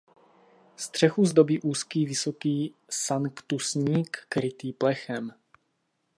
Střechu zdobí úzký vysoký sanktusník krytý plechem.